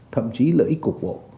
thậm chí lợi ích cục bộ